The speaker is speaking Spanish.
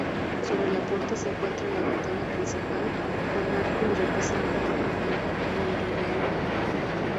Sobre la puerta se encuentra la ventana principal con arco y repisa moldurada.